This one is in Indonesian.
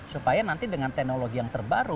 supaya nanti dengan teknologi yang terbaru